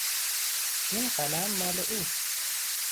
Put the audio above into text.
این قلم مال اوست.